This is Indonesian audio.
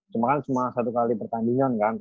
cuma kan cuma satu kali pertandingan kan